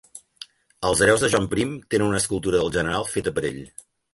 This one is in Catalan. Els hereus de Joan Prim tenen una escultura del general feta per ell.